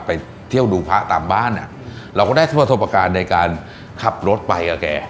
ไปเที่ยวดูพระตามบ้านอ่ะเราก็ได้ประทบประการในการขับรถไปกับแก